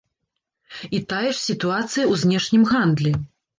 І тая ж сітуацыя ў знешнім гандлі.